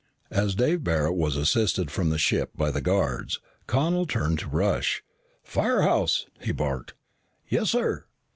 As Dave Barret was assisted from the ship by the guards, Connel turned to Rush. "Firehouse!" he barked. "Yes, sir?"